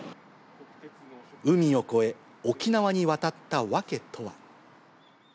海を越え、沖縄に渡った訳とは。